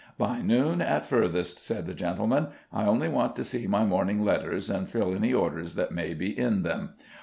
"By noon, at furthest," said the gentleman. "I only want to see my morning letters, and fill any orders that may be in them."